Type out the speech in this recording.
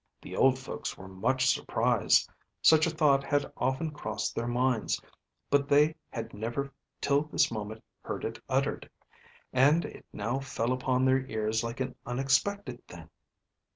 The old folks were much surprised. Such a thought had often crossed their minds, but they had never till this moment heard it uttered; and it now fell upon their ears like an unexpected thing.